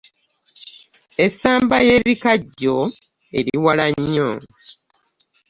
Esamba yebikajjo eri wala nnyo.